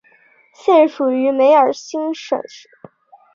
现属于梅尔辛省。